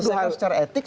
dua hal secara etik